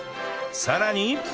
さらに